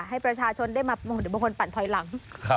ให้ประชาชนได้มาหรือบางคนปั่นถอยหลัง